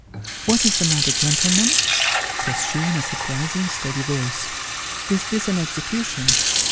' What is the matter, gentlemen ?' says she, in a surprisin' steady voice. ' Is this an execution